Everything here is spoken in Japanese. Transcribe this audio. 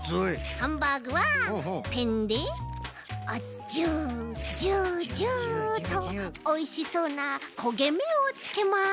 ハンバーグはペンでジュジュジュっとおいしそうなこげめをつけます。